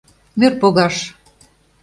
— Мӧр погаш.